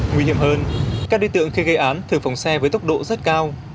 nguy hiểm hơn các đối tượng khi gây án thử phòng xe với tốc độ rất cao